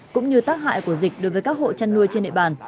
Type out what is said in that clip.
cũng như tác hại của dịch đối với các hộ chăn nuôi trên địa bàn